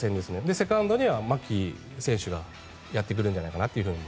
セカンドには牧選手がやってくるんじゃないかなと。